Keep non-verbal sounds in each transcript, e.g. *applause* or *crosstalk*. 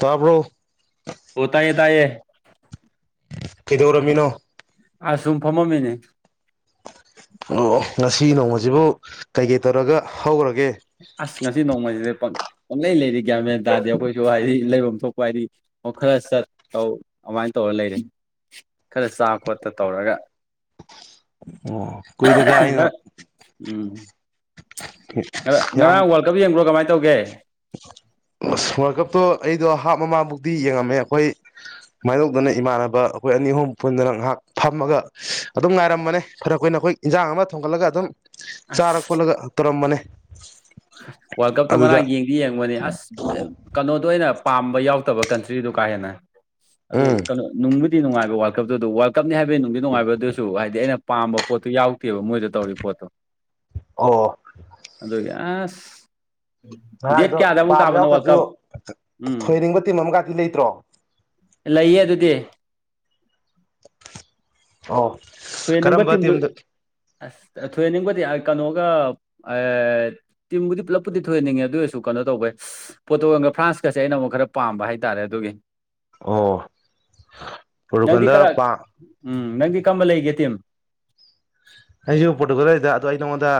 ꯇꯥꯕ꯭ꯔꯣ ꯑꯣ ꯇꯌꯦ ꯇꯥꯏꯌꯦ ꯀꯩꯗꯧꯔꯝꯃꯤꯅꯣ ꯑ ꯁꯨꯝ ꯐꯝꯃꯝꯃꯤꯅꯦ ꯊꯂꯛꯑꯣ ꯉꯁꯤ ꯁꯤ ꯅꯣꯡꯃꯁꯤꯕꯨ ꯀꯩ ꯀꯩ ꯇꯧꯔꯒ ꯍꯧꯒꯔ ꯑꯁ ꯉꯁꯤ ꯅꯣꯡꯃꯩꯁꯤꯗ ꯄꯡ ꯄꯪꯂꯩ ꯂꯩꯔꯤ ꯒꯌꯥꯔꯃꯦꯟ ꯇꯥꯔꯗꯤ ꯑꯩꯈꯣꯏꯁꯨ ꯍꯥꯏꯗꯤ ꯂꯩꯐꯝ ꯊꯣꯛꯄ ꯍꯥꯏꯗꯤ ꯈꯔ ꯆ ꯇꯧ ꯑꯗꯨꯃꯥꯏꯅ ꯇꯧꯔ ꯂꯩꯔꯦ ꯈꯔ ꯆꯥ ꯈꯣꯠꯇ ꯇꯧꯔꯒ ꯑꯣ ꯀꯨꯏꯗꯦꯗ ꯑꯩꯅ ꯎꯝ ꯉ ꯉꯔꯥꯡ ꯋꯥꯔꯜꯗ ꯀꯞ ꯌꯦꯡꯕ꯭ꯔꯣ ꯀꯃꯥꯏꯅ ꯇꯧꯒꯦ ꯋꯥꯜꯗ ꯀꯞ ꯄꯣꯠꯇꯣ ꯑꯩꯗꯣ ꯍꯥꯞ ꯃꯃꯥꯃꯕꯨꯛꯇꯤ ꯌꯦꯡꯉꯝꯃꯦ ꯑꯩꯈꯣꯏ ꯁꯨꯃꯥꯏꯅ ꯇꯧꯗꯅ ꯏꯃꯥꯟꯅꯕ ꯑꯩꯈꯣꯏ ꯑꯅꯤ ꯑꯍꯨꯝ ꯄꯨꯟꯗꯨꯅ ꯉꯥꯏꯍꯥꯛ ꯐꯝꯃꯒ ꯑꯗꯨꯝ ꯉꯥꯏꯔꯝꯕꯅꯦ ꯈꯔ ꯑꯩꯈꯣꯏꯅ ꯑꯩꯈꯣꯏ ꯏꯟꯖꯥꯡ ꯑꯃ ꯊꯣꯡꯒꯠꯂꯒ ꯑꯗꯨꯝ ꯆꯥꯔ ꯑꯁ ꯀꯣꯠꯂꯒ ꯇꯧꯨꯔꯝꯕꯅꯦ ꯋꯥꯔꯜ ꯀꯞ ꯇꯣ ꯉꯔꯥꯡ ꯌꯦꯡ ꯌꯦꯡꯕꯅꯦ ꯑꯁ ꯑ ꯀꯩꯅꯣꯗꯣ ꯑꯣꯏꯅ ꯄꯥꯝꯕ ꯌꯥꯎꯗꯕ ꯀꯟꯇ꯭ꯔꯤꯗꯨ ꯀꯥ ꯍꯦꯟꯅ ꯑꯗꯨ ꯎꯝ ꯀ ꯅꯨꯡꯕꯨꯗꯤ ꯅꯨꯡꯉꯥꯏꯕ ꯋꯥꯔ ꯀꯇ ꯑꯗꯨ ꯋꯥꯔꯜ ꯀꯞꯅꯤ ꯍꯥꯏꯕ ꯍꯥꯏꯕꯩ ꯅꯨꯡꯗꯤ ꯅꯨꯡꯉꯥꯏꯕꯗꯨꯁꯨ ꯍꯥꯏꯗꯤ ꯑꯩꯅ ꯄꯥꯝꯕ ꯄꯣꯠꯇꯨ ꯌꯥꯎꯗꯦꯕ ꯃꯣꯏꯗ ꯇꯧꯔꯤ ꯄꯣꯠꯇꯣ ꯑꯣ ꯑꯗꯨꯒꯤ ꯑꯁ ꯗꯦꯠ ꯉꯔꯥꯡꯒꯤꯗꯣ ꯀꯌꯥꯗ ꯑꯃꯨꯛ ꯄꯥꯝꯕ ꯇꯥꯕꯅꯣ ꯋꯥꯔꯜ ꯌꯥꯎꯗ꯭ꯔꯁꯨ ꯀꯞ ꯎꯝ ꯊꯣꯏꯅꯤꯡꯕ ꯇꯤꯝ ꯑꯃꯒꯗꯤ ꯂꯩꯇ꯭ꯔꯣ ꯂꯩꯌꯦ ꯑꯗꯨꯗꯤ ꯑꯣ ꯊꯣꯏꯍꯟꯅꯤꯡꯕ ꯀꯔꯝꯕ ꯇꯤꯝꯗꯨ ꯇꯤꯝꯗ ꯑꯁ ꯊꯣꯏꯍꯟꯅꯤꯡꯕꯗꯤ ꯀꯩꯅꯣꯒ ꯇꯤꯝꯕꯨꯗꯤ ꯄꯨꯂꯞꯄꯨꯗꯤ ꯊꯣꯏꯍꯟꯅꯤꯡꯉꯦ ꯑꯗꯨ ꯑꯣꯏꯔꯁꯨ ꯀꯩꯅꯣ ꯇꯧꯕꯩ ꯄꯣꯔꯇꯣꯒꯝꯒ ꯐ꯭ꯔꯥꯟꯁꯀꯁꯦ ꯑꯩꯅ ꯑꯃꯨꯛ ꯈꯔ ꯄꯥꯝꯕ ꯍꯥꯏꯇꯥꯔꯦ ꯑꯗꯨꯒꯤ ꯑꯣ ꯄꯨꯔꯇꯨꯒꯟꯗ ꯄꯥꯝ ꯅꯪꯒꯤ ꯀꯝꯝꯕ ꯂꯩ ꯄꯦ ꯇꯤ ꯑꯦꯝ ꯑꯩꯁꯨ ꯄꯣꯔꯇꯤꯀꯨꯂꯔꯗ ꯑꯗꯣ ꯑꯩ ꯅꯉꯣꯟꯗ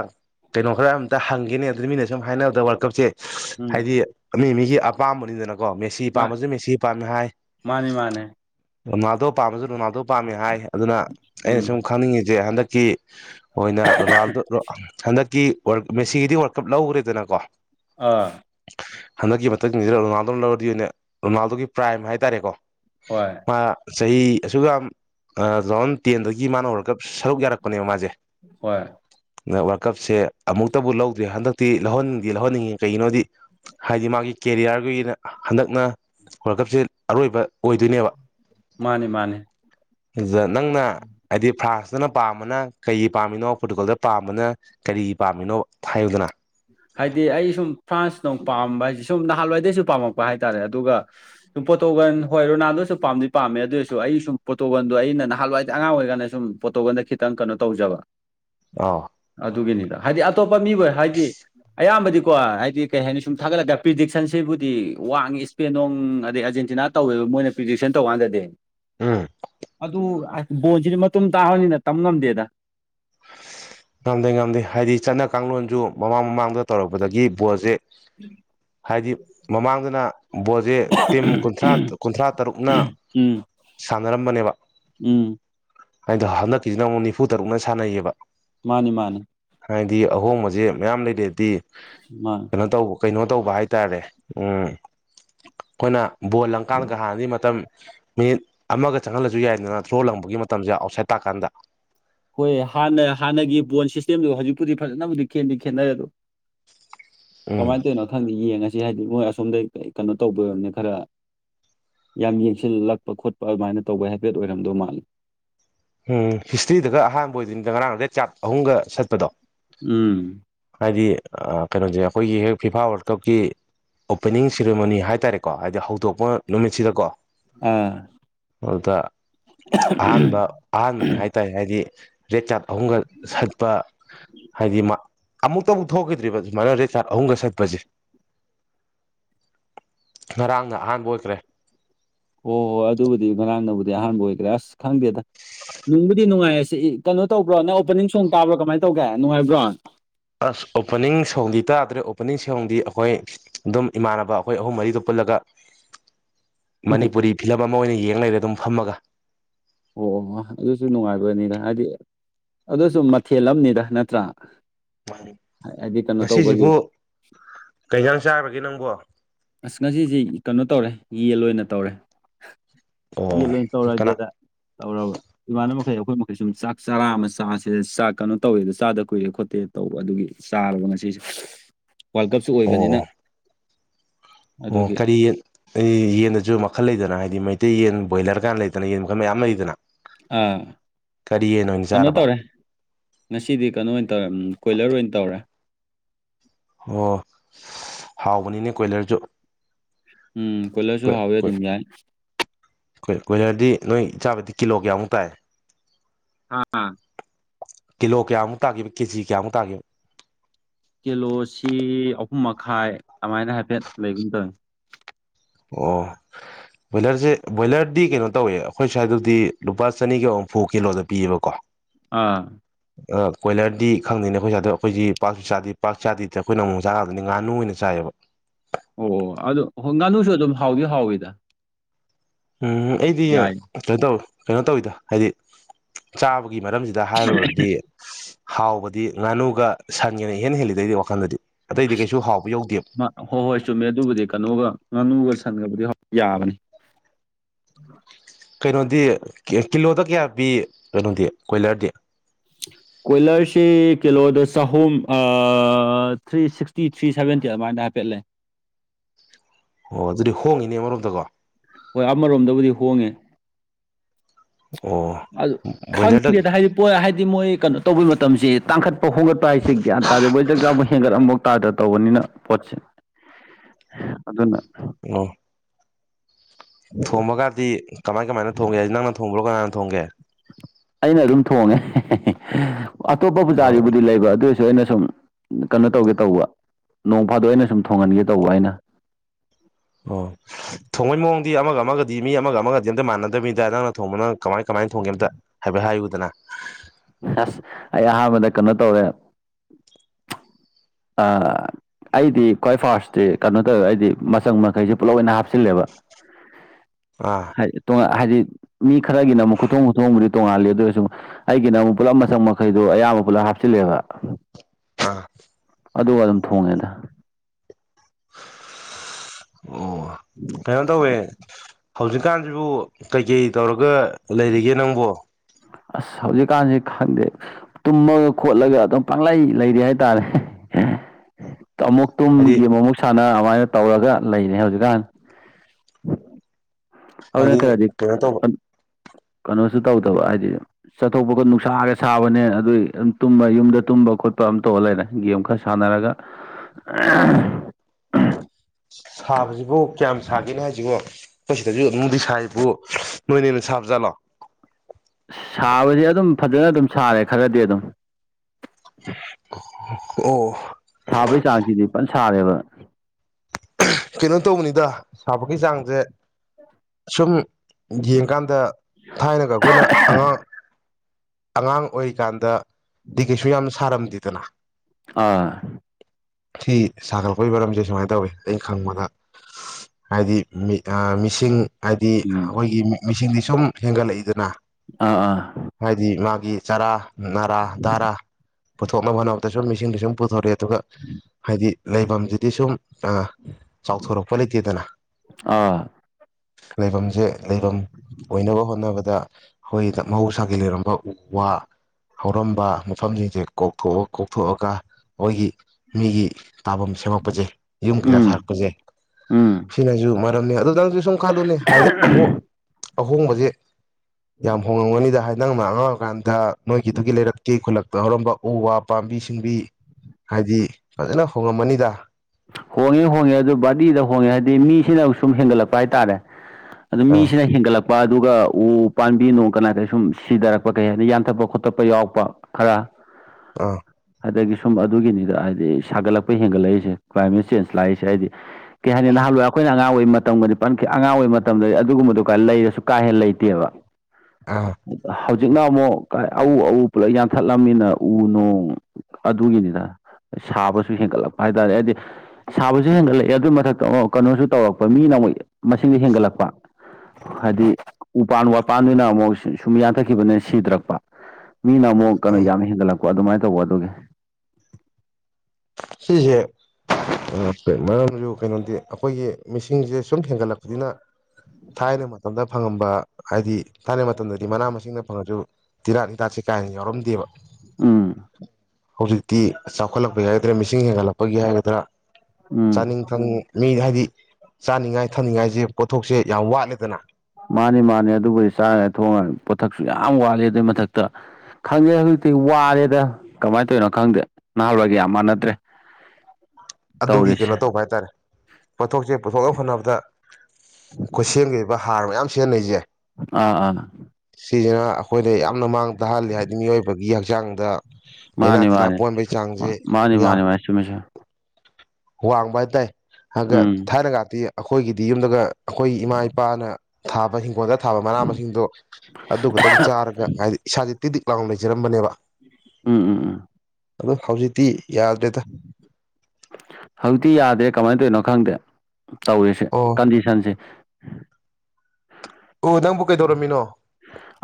ꯀꯩꯅꯣ ꯈꯔ ꯑꯝꯇ ꯍꯪꯒꯦꯅꯦ ꯑꯗꯨꯗꯤ ꯃꯤꯅ ꯁꯨꯝ ꯍꯥꯏꯅꯕꯗ ꯋꯥꯔꯜ ꯀꯞꯁꯦ ꯎꯝ ꯍꯥꯏꯗꯤ ꯃꯤ ꯃꯤꯒꯤ ꯑꯄꯥꯝꯕꯅꯤꯗꯅ ꯀꯣ ꯃꯦꯁꯤ ꯄꯥꯝꯕꯁꯨ ꯃꯦꯁꯤ ꯄꯥꯝꯃꯦ ꯍꯥꯏ ꯃꯥꯅꯤ ꯃꯥꯅꯦ ꯃꯥꯅꯦ ꯔꯣꯅꯥꯜꯗꯣ ꯄꯥꯝꯕꯁꯨ ꯔꯣꯅꯥꯜꯗꯣ ꯄꯥꯝꯃꯦ ꯍꯥꯏ ꯑꯗꯨꯅ ꯑꯩꯅ ꯎꯝ ꯁꯨꯝ ꯈꯪꯅꯤꯡꯉꯤꯁꯦ ꯍꯟꯗꯛ ꯗꯒꯤ ꯑꯣꯏꯅ ꯔꯣꯂꯥꯜꯗꯣ ꯔꯣ ꯍꯟꯗꯛ ꯃꯦꯁꯤꯒꯤꯗꯤ ꯋꯥꯔꯀꯞ ꯂꯧꯈ꯭ꯔꯦꯗꯅꯀꯣ ꯑꯥ ꯍꯟꯗꯛꯀꯤ ꯃꯊꯪꯁꯤꯗ ꯔꯣꯅꯥꯜꯗꯣꯅ ꯂꯧꯔꯗꯤꯅꯦ ꯔꯣꯅꯥꯜꯗꯣꯒꯤ ꯄ꯭ꯔꯥꯏꯝ ꯍꯥꯏꯇꯥꯔꯦꯀꯣ ꯍꯣꯏ ꯑ ꯆꯍꯤ ꯑꯁꯤ ꯌꯥꯝ ꯇꯨ ꯊꯥꯎꯖꯟ ꯇꯦꯟꯗꯒꯤ ꯃꯥꯅ ꯑꯣꯏꯔꯒ ꯁꯔꯨꯛ ꯌꯥꯔꯛ ꯀꯣꯅꯦ ꯃꯥꯁꯦ ꯍꯣꯏ ꯋꯥꯔꯜ ꯀꯞꯁꯦ ꯑꯃꯨꯛꯇꯕꯨ ꯂꯧꯗ꯭ꯔꯦ ꯍꯟꯗꯛꯇꯤ ꯂꯧꯍꯟꯅꯤꯡꯗꯦ ꯂꯧꯍꯟꯅꯤꯡꯉꯤ ꯀꯩꯒꯤꯅꯣꯗꯤ ꯍꯥꯏꯗꯤ ꯃꯥꯒꯤ ꯀꯦꯔꯤꯌꯥꯔꯒꯤꯅ ꯍꯟꯗꯛꯅ ꯋꯥꯔꯜ ꯀꯞꯁꯦ ꯑꯔꯣꯏꯕ ꯑꯣꯏꯗꯣꯏꯅꯦꯕ ꯃꯥꯅꯦ ꯃꯥꯅꯦ ꯖꯠ ꯅꯪꯅ ꯍꯥꯏꯗꯤ ꯐꯥꯁ ꯑꯗꯨꯅ ꯄꯥꯝ ꯄꯥ ꯑꯃꯅ ꯀꯔꯤꯒꯤ ꯄꯥꯝꯃꯤꯅꯣ ꯄꯔꯇꯣꯒꯜꯗ ꯄꯥꯝꯕꯅ ꯀꯔꯤꯒꯤ ꯄꯥꯝꯃꯤꯅꯣ ꯍꯥꯏꯌꯨꯗꯅ ꯍꯥꯏꯗꯤ ꯑꯩ ꯁꯨꯝ ꯐ꯭ꯔꯥꯟꯁ ꯅꯧ ꯄꯥꯝꯕ ꯍꯥꯏꯗꯤ ꯁꯨꯝ ꯅꯍꯥꯟꯋꯥꯏꯗꯩꯁꯨ ꯄꯥꯝꯃꯛꯄ ꯍꯥꯏꯇꯥꯥꯔꯦ ꯑꯗꯨꯒ ꯁꯨꯝ ꯄꯣꯇꯣꯒꯟ ꯍꯣꯏ ꯔꯣꯅꯥꯜꯗꯣꯁꯨ ꯄꯥꯝꯗꯤ ꯄꯥꯝꯃꯦ ꯑꯗꯨꯑꯣꯏꯁꯨ ꯑꯩ ꯁꯨꯝ ꯄꯣꯇꯣꯒꯟꯗꯣ ꯑꯩꯅ ꯅꯍꯥꯟꯋꯥꯏꯗꯩ ꯑꯉꯥꯡ ꯑꯣꯏꯔꯤꯀꯥꯟꯗ ꯁꯨꯝ ꯄꯣꯇꯣꯒꯟꯗ ꯈꯤꯇꯪ ꯀꯩꯅꯣ ꯇꯧꯖꯕ ꯑꯥꯎ ꯑꯗꯨꯒꯤꯅꯤ ꯍꯥꯏꯗꯤ ꯑꯇꯣꯞꯄ ꯃꯤꯑꯣꯏ ꯍꯥꯏꯗꯤ ꯑꯌꯥꯝꯕꯗꯤꯀꯣ ꯍꯥꯏꯗꯤ ꯀꯩ ꯍꯥꯏꯅꯤ ꯁꯨꯝ ꯊꯥꯒꯠꯂꯒ ꯄ꯭ꯔꯤꯗꯤꯛꯁꯟꯁꯤꯕꯨꯗꯤ ꯋꯥꯡꯉꯤ ꯏꯁꯄꯦꯟꯅꯣꯡ ꯑꯗꯩ ꯑꯔꯖꯦꯟꯇꯤꯅꯥ ꯇꯧꯋꯦꯕ ꯃꯣꯏꯅ ꯄ꯭ꯔꯤꯗꯤꯛꯁꯟ ꯇꯧꯀꯥꯟꯗꯗꯤ ꯎꯝ ꯑꯗꯨ ꯑꯩ ꯕꯣꯟꯁꯤꯗꯤ ꯃꯇꯨꯡ ꯇꯥꯔꯕꯅꯤꯅ ꯇꯝ ꯉꯝꯗꯦꯗ ꯉꯝꯗꯦ ꯉꯝꯗꯦ ꯍꯥꯏꯗꯤ ꯆꯠꯅ ꯀꯥꯡꯂꯣꯟꯁꯨ ꯃꯃꯥꯡ ꯃꯃꯥꯡꯗ ꯇꯧꯔꯛꯄꯗꯒꯤ ꯕꯣꯜꯁꯦ ꯍꯥꯏꯗꯤ ꯃꯃꯥꯡꯗꯅ ꯕꯣꯜꯁꯦ ꯇꯤꯝ ꯀꯨꯟꯊ꯭ꯔ ꯀꯨꯟꯊ꯭ꯔꯥ ꯇꯔꯨꯛꯅ ꯎꯝ ꯁꯥꯟꯅꯔꯝꯕꯅꯦꯕ ꯎꯝ ꯑꯩꯗꯣ ꯍꯟꯗꯛꯀꯤꯁꯤꯅ ꯑꯃꯨꯛ ꯅꯤꯐꯨꯇꯔꯨꯛꯅ ꯁꯟꯅꯩꯌꯦꯕ ꯑ ꯃꯥꯅꯤ ꯃꯥꯅꯤ ꯍꯥꯏꯗꯤ ꯑꯍꯣꯡꯕꯁꯦ ꯃꯌꯥꯝ ꯂꯩꯔꯦꯗꯤ ꯃꯥꯅꯤ ꯀꯩꯅꯣ ꯇꯧꯕ ꯀꯩꯅꯣ ꯇꯧꯕ ꯍꯥꯏꯇꯥꯔꯦ ꯎꯝ ꯑꯩꯈꯣꯏꯅ ꯕꯣꯜ ꯂꯪꯀꯥꯟꯗ ꯍꯥꯟꯅꯗꯤ ꯃꯇꯝ ꯃꯤꯅꯤꯠ ꯑꯃꯒ ꯆꯪꯍꯜꯂꯁꯨ ꯌꯥꯏꯗꯅ ꯊ꯭ꯔꯣꯂꯪꯕꯒꯤ ꯃꯇꯝꯁꯦ ꯑꯥꯎꯠꯁꯥꯏꯠ ꯇꯥꯀꯥꯟꯗ ꯍꯣꯏ ꯍꯥꯟꯅ ꯍꯥꯟꯅꯒꯤ ꯕꯣꯟ ꯁꯤꯁꯇꯦꯝꯗꯣ ꯍꯧꯖꯤꯛꯄꯨꯗꯤ ꯐꯖꯅꯕꯨꯗꯤ ꯈꯦꯠꯗꯤ ꯈꯦꯠꯅꯔꯦ ꯑꯗꯨ ꯎꯝ ꯀꯃꯥꯏꯅ ꯇꯧꯔꯤꯅꯣ ꯈꯪꯗꯦ ꯌꯦꯡꯉꯁꯤ ꯁꯤ ꯍꯥꯏꯗꯤ ꯃꯣꯏ ꯑꯁꯣꯝꯗꯩ ꯀꯩꯅꯣ ꯇꯧꯕ ꯑꯣꯏꯔꯝꯅꯤ ꯈꯔ ꯌꯥꯝ ꯌꯦꯡꯁꯤꯜꯂꯛꯄ ꯈꯣꯠꯄ ꯑꯗꯨꯃꯥꯏꯅ ꯇꯧꯕ ꯍꯥꯏꯐꯦꯠ ꯑꯣꯏꯔꯝꯗꯧ ꯃꯥꯜꯂꯤ ꯎꯝ ꯍꯤꯁꯇ꯭ꯔꯤꯗꯒ ꯑꯍꯥꯟꯕ ꯑꯣꯏꯗꯣꯏꯅꯤꯗ ꯉꯔꯥꯡ ꯔꯦꯠ ꯀꯥꯔꯠ ꯑꯍꯨꯝꯒ ꯁꯠꯄꯗꯣ ꯎꯝ ꯍꯥꯏꯗꯤ ꯀꯩꯅꯣꯁꯦ ꯑꯩꯈꯣꯏꯒꯤ ꯍꯦꯛ ꯐꯤꯐꯥ ꯋꯥꯔꯜ ꯀꯞꯀꯤ ꯑꯣꯄꯅꯤꯡ ꯁꯦꯔꯦꯃꯣꯅꯤ ꯍꯥꯏꯇꯥꯔꯦꯀꯣ ꯍꯥꯏꯗꯤ ꯍꯧꯗꯣꯛꯄ ꯅꯨꯃꯤꯠꯁꯤꯗꯀꯣ ꯑꯥ ꯑꯗ ꯑꯍꯥꯟꯕ ꯑꯍꯥꯟꯕꯅꯦ ꯍꯥꯏꯇꯥꯑꯦ ꯍꯥꯏ ꯒꯤ ꯔꯦꯠ ꯆꯥꯔꯠ ꯑꯍꯨꯝꯒ ꯁꯠꯄ ꯍꯥꯏꯗꯤ ꯃꯥ ꯑꯃꯨꯛꯇꯕꯨ ꯊꯣꯛꯈꯤꯗ꯭ꯔꯤꯕ ꯑꯗꯨꯃꯥꯏꯅ ꯔꯦꯠ ꯆꯥꯔꯠ ꯑꯍꯨꯝꯒ ꯁꯠꯄꯁꯦ ꯉꯔꯥꯡꯅ ꯑꯍꯥꯟꯕ ꯑꯣꯏꯈ꯭ꯔꯦ ꯑꯣ ꯍꯣꯏ ꯑꯗꯨꯕꯨꯗꯤ ꯉꯔꯥꯡꯅꯕꯨꯗꯤ ꯑꯍꯥꯟꯕ ꯑꯣꯏꯈ꯭ꯔꯦ ꯑꯁ ꯈꯪꯗꯦꯗ ꯅꯨꯡꯕꯨꯗꯤ ꯅꯨꯡꯉꯥꯏ ꯁꯤ ꯏ ꯀꯩꯅꯣ ꯇꯧꯕ꯭ꯔꯣ ꯅꯪ ꯑꯣꯄꯅꯤꯡ ꯁꯣꯡ ꯇꯥꯕ꯭ꯔꯣ ꯀꯃꯥꯏꯅ ꯇꯧꯒꯦ ꯅꯨꯡꯉꯥꯏꯕ꯭ꯔꯣ ꯑꯁ ꯑꯣꯄꯅꯤꯡ ꯁꯣꯡꯗꯤ ꯇꯥꯗ꯭ꯔꯦ ꯑꯣꯄꯅꯤꯡ ꯁꯣꯡꯗꯤ ꯑꯩꯈꯣꯏ ꯑꯗꯨꯝ ꯏꯃꯥꯟꯅꯕ ꯑꯩꯈꯣꯏ ꯑꯍꯨꯝ ꯃꯔꯤꯗꯣ ꯄꯨꯜꯂꯒ ꯃꯅꯤꯄꯨꯔꯤ ꯐꯤꯂꯝ ꯑꯃ ꯑꯣꯏꯅ ꯌꯦꯡ ꯆ ꯂꯩꯩꯔꯦ ꯑꯗꯨꯝ ꯐꯝꯃꯒ ꯑꯣ ꯑꯗꯨꯁꯨ ꯅꯨꯡꯉꯥꯏꯕꯅꯤꯗ ꯍꯥꯏꯗꯤ ꯑꯗꯨꯁꯨ ꯃꯊꯦꯜ ꯑꯃꯅꯤꯗ ꯅꯠꯇ꯭ꯔꯥ ꯍꯥꯏꯗꯤ ꯀꯩꯅꯣ ꯇꯧꯕꯒꯤ ꯉꯁꯤꯁꯤꯕꯨ ꯀꯩꯖꯥꯡ ꯆꯥ ꯀꯦ ꯅꯪꯕꯣ ꯑꯁ ꯉꯁꯤꯁꯦ ꯀꯩꯅꯣ ꯇꯧꯔꯦ ꯌꯦꯟ ꯑꯣꯏꯅ ꯇꯧꯔꯦ ꯌꯦꯠ ꯂꯣꯏ ꯀꯅꯥ ꯇꯧꯔꯒꯦꯗ ꯇꯧꯔꯕ ꯏꯃꯥꯟꯅꯕ ꯃꯈꯩ ꯑꯩꯈꯣꯏ ꯃꯈꯩ ꯁꯨꯝ ꯆꯥꯛ ꯆꯥꯔꯥ ꯑꯃ ꯆꯥꯁꯤꯗ ꯆꯥꯛ ꯀꯩꯅꯣ ꯇꯧꯋꯦꯗ ꯆꯥꯗ ꯀꯨꯏꯔꯦ ꯈꯣꯠꯇꯦ ꯇꯧꯕ ꯑꯗꯨꯒꯤ ꯆꯥꯔꯕ ꯉꯁꯤꯁꯦ ꯋꯥꯔꯜ ꯀꯞꯁꯨ ꯑꯣ ꯑꯣꯏꯕꯅꯤꯅ ꯑꯣ ꯑꯗꯨꯒꯤ ꯀꯔꯤ ꯌꯦꯟꯗꯁꯨ ꯃꯈꯜ ꯂꯩꯗꯅ ꯍꯥꯏ ꯑꯗꯤ ꯃꯩꯇꯩ ꯌꯦꯟ ꯕꯣꯏꯂꯔ ꯀꯥꯟ ꯂꯩꯇꯅ ꯌꯦꯟ ꯃꯈꯜ ꯃꯌꯥꯝ ꯂꯩꯗꯅ ꯑꯥ ꯀꯔꯤ ꯌꯦꯟ ꯑꯣꯏꯅ ꯀꯩꯅꯣ ꯆꯥꯔꯕ ꯇꯧꯔꯦ ꯉꯁꯤꯗꯤ ꯀꯩꯅꯣ ꯑꯣꯏꯅ ꯇꯧꯔꯦ ꯀꯣꯏꯂꯔ ꯑꯣꯏꯅ ꯇꯧꯔꯦ ꯑꯣ ꯍꯥꯎꯕꯅꯤꯅꯦ ꯀꯣꯏꯂꯔꯁꯨ ꯎꯝ ꯀꯣꯏꯂꯔꯁꯨ ꯍꯥꯎꯏ ꯑꯗꯨꯝ ꯌꯥꯏ ꯀꯣꯏꯂꯔꯗꯤ ꯅꯣꯏ ꯆꯥꯕꯗꯤ ꯀꯤꯂꯣ ꯀꯌꯥꯃꯨꯛ ꯇꯥꯏ ꯑꯥ ꯀꯤꯂꯣ ꯀꯌꯥꯃꯨꯛ ꯇꯥꯈꯤꯕ ꯀꯦꯖꯤ ꯀꯌꯥꯃꯨꯛ ꯇꯥ ꯀꯤꯂꯣꯁꯤ ꯑꯍꯨꯝ ꯃꯈꯥꯏ ꯑꯗꯨꯃꯥꯏꯅ ꯍꯥꯏꯐꯦꯠ ꯂꯩꯒꯨꯝ ꯇꯧꯋꯦ ꯑꯣ ꯕꯣꯏꯂꯔꯁꯦ ꯕꯣꯏꯂꯔꯗꯤ ꯀꯩꯅꯣ ꯇꯧꯋꯦ ꯑꯩꯈꯣꯏ ꯁ꯭ꯋꯥꯏꯗꯗꯤ ꯂꯨꯄꯥ ꯆꯅꯤꯒ ꯍꯨꯝꯐꯨ ꯀꯤꯂꯣꯗ ꯄꯤꯑꯕꯀꯣ ꯑꯥ ꯑ ꯀꯣꯏꯂꯔꯗꯤ ꯈꯪꯗꯦꯅꯦ ꯑꯩꯈꯣꯏꯁꯦ ꯑꯗꯣ ꯑꯩꯈꯣꯏꯁ ꯄꯥꯛꯁꯨ ꯆꯥꯗꯦ ꯄꯥꯛ ꯆꯥꯗꯦꯗ ꯑꯩꯈꯣꯏꯅ ꯑꯃꯨꯛ ꯃ ꯆꯆꯥ ꯉꯥꯛꯗꯅꯤ ꯉꯥꯅꯨ ꯑꯣꯏꯅ ꯆꯥꯏꯌꯦꯕ ꯑꯣ ꯑꯗꯨ ꯍꯣꯏ ꯉꯥꯅꯨꯁꯨ ꯑꯗꯨꯝ ꯍꯥꯎꯗꯤ ꯍꯥꯎꯋꯤꯗ ꯎꯝ ꯑꯩꯗꯤ ꯌꯥꯏ ꯀꯩꯅꯣ ꯇꯧꯋꯦ ꯀꯩꯅꯣ ꯇꯧꯋꯤꯗ ꯍꯥꯏꯗꯤ ꯆꯥꯕ ꯒꯤ ꯃꯔꯝꯁꯤꯗ ꯍꯥꯏꯔꯨꯔꯗꯤ ꯍꯥꯎꯕꯗꯤ ꯉꯥꯅꯨꯒ ꯁꯟꯒꯅ ꯏꯍꯦꯟ ꯍꯦꯜꯂꯤꯗ ꯑꯩ ꯋꯥꯈꯜꯗꯗꯤ ꯑꯇꯩꯗꯤ ꯑꯁ ꯀꯩꯁꯨ ꯍꯥꯎꯕ ꯌꯧꯗꯦꯕ ꯃꯥ ꯍꯣꯏ ꯍꯣꯏ ꯆꯨꯝꯃꯦ ꯑꯗꯨꯕꯨꯗꯤ ꯀꯩꯅꯣꯒ ꯉꯥꯅꯨꯒ ꯁꯟꯒꯕꯨꯗꯤ ꯌꯥꯕꯅꯤ ꯀꯩꯅꯣꯗꯤ ꯀꯤꯂꯣꯗ ꯀꯌꯥ ꯄꯤ ꯀꯩꯅꯣꯗꯤ ꯀꯣꯏꯂꯔꯗꯤ ꯀꯣꯏꯂꯔꯁꯤ ꯀꯤꯂꯣꯗ ꯆꯍꯨꯝ ꯊ꯭ꯔꯤ ꯁꯤꯛꯁꯇꯤ ꯊ꯭ꯔꯤ ꯁꯕꯦꯟꯇꯤ ꯑꯗꯨꯃꯥꯏꯅ ꯍꯥꯏꯐꯦꯠ ꯂꯩꯦ ꯑꯣ ꯑꯗꯨꯗꯤ ꯍꯣꯡꯉꯤꯅꯦ ꯑꯃꯔꯣꯝꯗꯀꯣ ꯍꯣꯏ ꯑꯃꯔꯣꯝꯗꯕꯨꯗꯤ ꯍꯣꯡꯉꯦ ꯑꯣ ꯑꯗꯨ ꯕꯣꯏꯂꯔꯗ ꯈꯪꯗꯦꯗ ꯍꯥꯏꯗꯤ ꯄꯣꯏ ꯍꯥꯏꯗꯤ ꯃꯣꯏ ꯀꯩꯅꯣ ꯇꯧꯕꯩ ꯃꯇꯝꯁꯦ ꯇꯥꯡꯈꯠꯄ ꯍꯣꯒꯠꯄ ꯍꯥꯏꯁꯦ ꯒ꯭ꯌꯥꯟ ꯇꯥꯔꯦ ꯕꯣꯏ ꯆꯥꯛ ꯆꯥꯕ ꯍꯦꯟꯒꯠꯂꯝꯐꯧ ꯇꯥꯗ ꯇꯧꯕꯅꯤꯅ ꯄꯣꯠꯁꯦ ꯑꯗꯨꯅ ꯎꯝ ꯊꯣꯡꯕꯒꯗꯤ ꯀꯃꯥꯏ ꯀꯃꯥꯏꯅ ꯊꯣꯡꯒꯦ ꯍꯥꯏꯗꯤ ꯅꯪꯅ ꯊꯣꯡꯕ꯭ꯔꯣ ꯀ ꯊꯣꯡꯒꯦ ꯑꯩꯅ ꯑꯗꯨꯝ ꯊꯣꯡꯉꯦ ꯑꯇꯣꯞꯄ ꯑꯣ ꯄꯨꯖꯥꯁꯤꯕꯨꯗꯤ ꯂꯩꯕ ꯑꯗꯨ ꯁꯨ ꯑꯩꯅ ꯁꯨꯝ ꯀꯩꯅꯣ ꯇꯧꯒꯦ ꯇꯧꯕ ꯅꯣꯡ ꯐꯥꯗꯣ ꯑꯩꯅ ꯁꯨꯝ ꯊꯣꯡꯍꯟꯒꯦ ꯇꯧꯕ ꯑꯩꯅ ꯑꯣ ꯊꯣꯡꯃꯩꯃꯑꯣꯡ ꯗꯤ ꯑꯃꯒ ꯑꯃꯒꯗꯤ ꯃꯤ ꯑꯃꯒ ꯑꯃꯒꯗꯤ ꯑꯝꯇ ꯃꯥꯟꯅꯗꯕꯤꯗ ꯅꯪꯅ ꯊꯣꯡꯕ ꯅꯪ ꯀꯃꯥꯏ ꯀꯃꯥꯏ ꯊꯣꯡꯒꯦ ꯑꯝꯇ ꯍꯥꯏꯕꯦꯠ ꯍꯥꯏꯌꯨꯗꯅ ꯑꯁ ꯑꯩ ꯑꯍꯥꯟꯕꯗ ꯀꯩꯅꯣ ꯇꯧꯔꯦ ꯑ ꯑꯩꯗꯤ ꯈ꯭ꯋꯥꯏ ꯐꯥꯔꯁꯇꯤ ꯀꯅꯣ ꯇꯧꯋꯦ ꯑꯩꯗꯤ ꯃꯆꯪ ꯃꯈꯩꯁꯤ ꯄꯨꯂꯞ ꯑꯣꯏꯅ ꯍꯥꯞꯆꯤꯜꯂꯦꯕ ꯑꯥ ꯍꯥꯏ ꯇꯣꯉꯥ ꯍꯥꯏꯗꯤ ꯃꯤ ꯈꯔꯒꯤꯅ ꯑꯃꯨꯛ ꯈꯨꯊꯣꯡ ꯈꯨꯊꯣꯡꯕꯨꯗꯤ ꯇꯣꯡꯉꯥꯜꯂꯤ ꯑꯗꯨ ꯑꯣꯏꯁꯨ ꯑꯩꯒꯤꯅ ꯑꯃꯨꯛ ꯄꯨꯂꯞ ꯃꯁꯛ ꯃꯈꯩꯗꯣ ꯑꯌꯥꯝꯕ ꯄꯨꯜꯂꯞ ꯍꯥꯞꯆꯤꯜꯂꯦꯕ ꯑ ꯑꯗꯨꯒ ꯑꯗꯨꯝ ꯊꯣꯡꯉꯦꯗ ꯑꯣ ꯀꯩꯅꯣ ꯇꯧꯋꯦ ꯍꯧꯖꯤꯛꯀꯥꯟꯖꯤꯕꯨ ꯀꯩ ꯀꯩ ꯇꯧꯔꯒ ꯂꯩꯔꯤꯒꯦ ꯅꯪꯕꯣ ꯑꯁ ꯍꯧꯖꯤꯛꯀꯥꯟꯖꯦ ꯈꯪꯗꯦ ꯇꯨꯝꯃꯒ ꯈꯣꯠꯂꯒ ꯑꯗꯨꯝ ꯄꯥꯡꯂꯩ ꯂꯩꯔꯤ ꯍꯥꯏꯇꯥꯔꯦ ꯍꯦ ꯍꯦ ꯑꯃꯨꯛ ꯍꯥꯏꯗꯤ ꯇꯨꯝꯒꯤ ꯑꯃꯃꯨꯛ ꯁꯥꯟꯅ ꯑꯗꯨꯃꯥꯏꯅ ꯇꯧꯔꯒ ꯂꯩꯅꯤ ꯍꯧꯖꯤꯛꯀꯥꯟ ꯑꯗꯨ ꯍꯥꯏꯗꯤ ꯅꯠꯇ꯭ꯔꯗꯤ ꯀꯩꯅꯣ ꯇꯧꯕ ꯀꯅꯣꯁꯨ ꯇꯧꯗꯕ ꯍꯥꯏꯗꯤ ꯆꯠꯊꯣꯛꯄꯒ ꯅꯨꯡꯁꯥꯒ ꯁꯥꯕꯅꯦ ꯑꯗꯨꯏ ꯑꯗꯨꯝ ꯇꯨꯝꯕ ꯌꯨꯝꯗ ꯇꯨꯝꯕ ꯈꯣꯠꯄ ꯑꯗꯨꯝ ꯇꯧꯔ ꯂꯩꯔꯦ ꯒꯦꯝ ꯈꯔ ꯁꯥꯟꯅꯔꯒ ꯁꯥꯕꯖꯤꯕꯨ ꯀꯌꯥꯝ ꯁꯥꯒꯦꯅꯦ ꯍꯥꯏꯖꯤꯕꯨ ꯈꯣꯏꯁꯤꯗꯖꯨ ꯑꯗꯨꯝꯕꯨꯗꯤ ꯁꯥꯔꯤꯕꯨ ꯅꯣꯏꯅ ꯍꯦꯟꯅ ꯁꯥꯕꯖꯥꯠꯂꯣ ꯁꯥꯕꯖꯦ ꯑꯗꯨꯝ ꯐꯖꯅ ꯑꯗꯨꯝ ꯁꯥꯔꯦ ꯈꯔꯗꯤ ꯑꯗꯨꯝ ꯑꯣ ꯁꯥꯕꯩ ꯆꯥꯡꯁꯤꯗꯤ ꯐꯟ ꯁꯥꯔꯦꯕ ꯀꯦꯅꯣ ꯇꯧꯕꯅꯤꯗ ꯁꯥꯕꯒꯤ ꯆꯥꯡꯖꯦ ꯁꯨꯝ ꯌꯦꯡꯀꯥꯟꯗ ꯊꯥꯏꯅꯒ ꯑꯩꯈꯣꯏꯅ ꯑꯉꯥꯡ ꯑꯉꯥꯡ ꯑꯣꯏꯔꯤꯀꯥꯟꯗ ꯗꯒꯩꯁꯨ ꯀꯩꯁꯨ ꯌꯥꯝ ꯁꯥꯔꯝ ꯗꯦꯗꯅꯥ ꯑꯥ ꯁꯤ ꯁꯥꯒꯠꯂꯛꯄꯩ ꯃꯔꯝꯖꯦ ꯁꯨꯃꯥꯏ ꯇꯧꯋꯤ ꯑꯩ ꯈꯪꯕꯗ ꯍꯥꯏꯗꯤ ꯃꯤ ꯃꯤꯁꯤꯡ ꯍꯥꯏꯗꯤ ꯎꯝ ꯑꯍꯣꯏꯒꯤ ꯃꯤꯁꯤꯡꯗꯤ ꯁꯨꯝ ꯍꯦꯟꯒꯠꯂꯛꯏꯗꯅ ꯑꯥ ꯑꯥ ꯍꯥꯏꯗꯤ ꯃꯥꯒꯤ ꯆꯔꯥ ꯅꯔꯥ ꯗꯔꯥ ꯄꯨꯊꯣꯛꯅꯕ ꯍꯣꯠꯅꯕꯗꯖꯨꯝ ꯃꯤꯁꯤꯡꯗꯤ ꯁꯨꯝ ꯄꯨꯊꯣꯔꯛꯑꯦ ꯑꯗꯨꯒ ꯍꯥꯏꯗꯤ ꯂꯩꯕꯝꯖꯤꯗꯤ ꯁꯨꯝ ꯆꯥꯎꯊꯣꯔꯛꯄ ꯂꯩꯇꯦꯗꯅ ꯑꯥ ꯂꯩꯕꯝꯖꯦ ꯂꯩꯕꯝ ꯑꯣꯏꯅꯕ ꯍꯣꯠꯅꯕꯗ ꯈꯣꯏꯗ ꯃꯍꯧꯁꯥꯒꯤ ꯂꯩꯔꯝꯕ ꯎ ꯋꯥ ꯍꯧꯔꯝꯕ ꯃꯐꯝꯖꯤꯡꯖꯦ ꯀꯣꯛꯊꯣꯛꯑ ꯀꯣꯛꯊꯣꯛꯑꯒ ꯈꯣꯏꯒꯤ ꯃꯤꯒꯤ ꯇꯥꯕꯝ ꯁꯦꯝꯃꯛꯄꯖꯦ ꯌꯨꯝꯒꯩꯒ ꯎꯝ ꯊꯥꯛꯄꯁꯦ ꯎꯝ ꯁꯤꯅꯁꯨ *unintelligible* ꯁꯨꯝ ꯈꯜꯂꯨꯅꯦ ꯍꯥꯏꯗꯤ ꯑꯍꯣ ꯑꯍꯣꯡꯕꯁꯦ ꯌꯥꯝ ꯍꯣꯡꯉꯝꯒꯅꯤꯗ ꯍꯥꯏ ꯅꯪꯃ ꯑꯉꯥꯡꯑꯣꯏꯔꯤꯀꯥꯟꯗ ꯅꯣꯏꯒꯤꯗꯨꯒꯤ ꯂꯩꯔꯛꯀꯤ ꯈꯨꯜꯂꯛꯇ ꯍꯧꯔꯝꯕ ꯎ ꯋꯥ ꯄꯥꯝꯕꯤ ꯁꯤꯡꯕꯤ ꯍꯥꯏꯗꯤ ꯐꯖꯅ ꯍꯣꯡꯉꯝꯃꯅꯤꯗ ꯍꯣꯡꯉꯦ ꯍꯣꯡꯉꯦ ꯑꯗꯨ ꯕꯥꯔꯇꯤꯗ ꯍꯣꯡꯉꯦ ꯍꯥꯏꯗꯤ ꯃꯤꯁꯤꯅ ꯁꯨꯝ ꯍꯦꯟꯒꯠꯂꯛꯄ ꯍꯥꯏꯇꯥꯔꯦ ꯑꯗꯨ ꯑꯥ ꯃꯤꯁꯤꯅ ꯍꯦꯟꯒꯠꯂꯛ ꯄꯗꯨꯒ ꯎ ꯄꯥꯝꯕꯤꯅꯨꯡ ꯀꯅꯥ ꯀꯩꯁꯨꯝ ꯁꯤꯙꯔꯛꯄ ꯀꯩ ꯍꯥꯏꯅꯤ ꯌꯥꯟꯊꯠꯄ ꯈꯣꯇꯠꯄ ꯌꯥꯎꯔꯛꯄ ꯈꯔ ꯑꯥ ꯑꯗꯒꯤ ꯁꯨꯝ ꯑꯗꯨꯒꯤꯅꯤꯗ ꯍꯥꯏꯗꯤ ꯁꯥꯒꯠꯂꯛꯄ ꯍꯦꯟꯒꯠꯂꯛꯏꯁꯦ ꯀ꯭ꯂꯥꯏꯃꯦꯠ ꯆꯦꯟꯖ ꯂꯥꯛꯏꯁꯦ ꯍꯥꯏꯗꯤ ꯀꯩ ꯍꯥꯏꯅꯤ ꯅꯍꯥꯟꯋꯥꯏ ꯑꯩꯈꯣꯏꯅ ꯑꯉꯥꯡ ꯑꯣꯏꯃꯇꯝꯒꯗꯤ ꯑꯉꯥꯡ ꯑꯣꯏꯕꯩ ꯃꯇꯝꯗꯗꯤ ꯑꯗꯨꯒꯨꯝꯕ ꯗꯨꯀꯥꯟ ꯂꯩꯔꯁꯨ ꯀꯥ ꯍꯦꯟꯅ ꯂꯩꯇꯦꯕ ꯑꯥ ꯑ ꯍꯝ ꯍꯧꯖꯤꯛꯅ ꯑꯃꯨꯛ ꯑꯎ ꯑꯎ ꯄꯨꯜꯂꯞ ꯌꯥꯟꯊꯠꯂꯝꯅꯤꯅ ꯎ ꯅꯣꯡ ꯑꯗꯨꯒꯤꯅꯤꯗ ꯁꯥꯕꯁꯨ ꯍꯦꯟꯒꯠꯂꯛꯄ ꯍꯥꯏꯇꯔꯦ ꯍꯥꯏꯗꯤ ꯁꯥꯕꯁꯨ ꯍꯦꯟꯒꯠꯂꯛꯑꯦ ꯑꯗꯨꯏ ꯃꯊꯛꯇ ꯑꯣ ꯀꯩꯅꯣꯁꯨ ꯇꯧꯔꯛꯄ ꯃꯤꯅ ꯑꯃꯨꯛ ꯃꯁꯤꯡꯗ ꯍꯦꯟꯒꯠꯂꯛꯄ ꯍꯥꯏꯗꯤ ꯎꯄꯥꯟ ꯋꯥꯄꯥꯟꯗꯨꯅ ꯑꯃꯨꯛ ꯁꯨꯝ ꯌꯥꯟꯊꯠꯈꯤꯕꯅꯤꯅ ꯁꯤꯊ꯭ꯔꯛꯄ ꯃꯤꯅ ꯑꯃꯨꯛ ꯀꯩꯅꯣ ꯌꯥꯝꯅ ꯍꯦꯟꯒꯠꯂꯛ ꯀꯣ ꯑꯗꯨꯃꯥꯏꯅ ꯇꯧꯕ ꯑꯗꯨꯒꯤ ꯁꯤꯁꯦ ꯃꯔꯝꯁꯨ ꯀꯩꯅꯣꯗꯤ ꯑꯩꯈꯣꯏꯒꯤ ꯃꯤꯁꯤꯡꯁꯦ ꯁꯨꯝ ꯍꯦꯟꯒꯠꯂꯛꯄꯅꯤꯅ ꯊꯥꯏꯅ ꯃꯇꯝꯗ ꯐꯪꯉꯝꯕ ꯍꯥꯏꯗꯤ ꯊꯥꯏꯅ ꯃꯇꯝꯗꯗꯤ ꯃꯅꯥ ꯃꯁꯤꯡꯗ ꯐꯪꯉꯁꯨ ꯇꯤꯔꯥꯠ ꯍꯤꯗꯥꯛꯠꯁꯦ ꯀꯥ ꯍꯦꯟꯅ ꯌꯥꯎꯔꯝꯗꯦꯕ ꯎꯝ *inaudible* ꯍꯧꯖꯤꯛꯇꯤ ꯆꯥꯎꯈꯠꯂꯛꯄꯩ ꯍꯥꯏ ꯃꯤꯁꯤꯡ ꯍꯦꯟꯒꯠꯂꯛꯄꯒꯤ ꯍꯥꯏꯒꯗ꯭ꯔ ꯎꯝ ꯆꯥꯅꯤꯡꯊꯛꯅꯤꯡ ꯃꯤ ꯍꯥꯏꯗꯤ ꯆꯥꯅꯤꯡꯉꯥꯏ ꯊꯛꯅꯤꯡꯉꯥꯏꯁꯦ ꯄꯣꯠꯊꯣꯛꯁꯦ ꯌꯥꯝ ꯋꯥꯠꯂꯦꯗꯅ ꯃꯥꯅꯤ ꯃꯥꯅꯦ ꯑꯗꯨꯕꯨꯗꯤ ꯆꯥꯅꯅꯤ ꯊꯣꯡꯉ ꯄꯣꯊꯛꯁꯨ ꯌꯥꯝ ꯋꯥꯠꯂꯦ ꯑꯗꯨꯏ ꯃꯊꯛꯇ ꯈꯪꯉꯦ ꯍꯧꯖꯤꯛꯇꯤ ꯋꯥꯔꯦꯗ ꯀꯃꯥꯏꯅ ꯇꯩꯅꯣ ꯈꯪꯗꯦ ꯅꯍꯥꯟꯋꯥꯏꯒ ꯌꯥꯝ ꯃꯥꯟꯅꯗ꯭ꯔꯦ ꯑꯗꯨꯒꯤ ꯇꯧꯔꯤꯁꯦ ꯀꯩꯅꯣ ꯇꯧꯕ ꯍꯥꯏꯇꯔꯦ ꯄꯣꯠꯊꯣꯛꯁꯦ ꯄꯨꯊꯣꯛꯅꯕ ꯍꯣꯠꯅꯕꯗ ꯑꯩꯈꯣꯏ ꯁꯦꯝꯒꯤꯑꯣꯢꯕ ꯍꯥꯔ ꯃꯌꯥꯝ ꯁꯤꯖꯤꯟꯅꯩꯁꯦ ꯑꯥ ꯑꯥ ꯁꯤꯁꯤꯅ ꯑꯩꯈꯣꯏꯗ ꯌꯥꯝꯅ ꯃꯥꯡ ꯇꯥꯛꯍꯜꯂꯤ ꯍꯥꯏꯗꯤ ꯃꯤꯑꯣꯏꯕꯒꯤ ꯍꯛꯆꯥꯡꯗ ꯃꯥꯅꯤ ꯂꯥꯏꯅꯥ ꯇꯤꯟꯅꯥ ꯃꯥꯅꯦ ꯄꯣꯛꯍꯟꯕꯒꯤ ꯆꯥꯡꯁꯦ ꯃꯥꯅꯤ ꯌꯥꯝ ꯃꯥꯅꯤ ꯃꯥꯅꯦ ꯆꯨꯝꯃꯦ ꯆꯨꯝ ꯋꯥꯡꯕ ꯍꯥꯏ ꯇꯥꯏ ꯑꯒ ꯎꯝ ꯊꯥꯏꯅ ꯀꯥꯇꯤ ꯑꯩꯈꯣꯏꯒꯤꯗꯤ ꯌꯨꯝꯗꯒ ꯑꯩꯈꯣꯏꯒꯤ ꯏꯃꯥ ꯏꯄꯥꯅ ꯊꯥꯕ ꯍꯤꯡꯈꯣꯜꯗ ꯊꯥꯕ ꯃꯅꯥ ꯃꯁꯤꯡꯗꯣ ꯑꯗꯨ ꯈꯛꯇꯪ ꯆꯥꯔꯒ ꯍꯥꯏꯗꯤ ꯏꯁꯥꯥ ꯇꯤꯗꯤꯛ ꯂꯥꯎ ꯂꯩꯖꯔꯝꯕꯅꯦꯕ ꯎꯝ ꯎꯝ ꯎꯝ ꯑ ꯍꯧꯖꯤꯛꯇꯤ ꯌꯥꯗ꯭ꯔꯦꯗ ꯍꯧꯖꯤꯛꯇꯤ ꯌꯥꯗ꯭ꯔꯦ ꯀꯃꯥꯏꯅ ꯇꯧꯔꯤꯅꯣ ꯈꯪꯗꯦ ꯇꯧꯔꯤꯁꯦ ꯑꯣ ꯀꯟꯗꯤꯁꯟꯁꯦ ꯑꯣ ꯅꯪꯕꯨ ꯀꯩꯗꯧꯔꯝꯃꯤꯅꯣ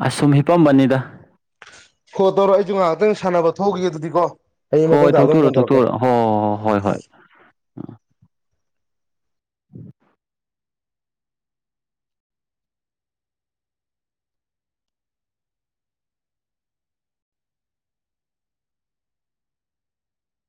ꯑꯁꯨꯝ ꯍꯤꯄꯝꯕꯅꯤꯗ ꯑꯣ ꯇꯧꯔꯣ ꯑꯩꯁꯨ ꯉꯥꯏꯍꯥꯛꯇꯪ ꯁꯥꯟꯅꯕ ꯊꯣꯛꯎꯒꯤꯒꯦ ꯑꯗꯨꯗꯤ ꯀꯣ ꯍꯣꯏ ꯊꯣꯛꯇꯣꯛꯎꯔꯣ ꯊꯣꯛꯇꯣꯛꯎꯔꯣ ꯍꯣ ꯍꯣ ꯍꯣ ꯍꯣꯏ ꯍꯣꯏ